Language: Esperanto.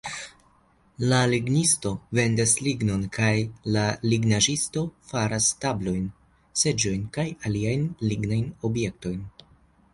La lignisto vendas lignon, kaj la lignaĵisto faras tablojn, seĝojn kaj aliajn lignajn objektojn.